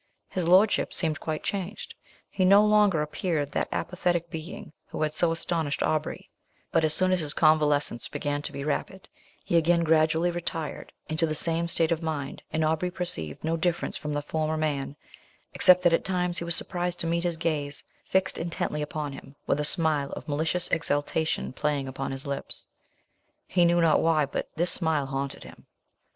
His lordship seemed quite changed; he no longer appeared that apathetic being who had so astonished Aubrey; but as soon as his convalescence began to be rapid, he again gradually retired into the same state of mind, and Aubrey perceived no difference from the former man, except that at times he was surprised to meet his gaze fixed intently upon him, with a smile of malicious exultation playing upon his lips: he knew not why, but this smile haunted him.